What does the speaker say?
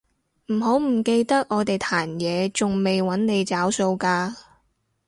唔好唔記得我哋壇野仲未搵你找數㗎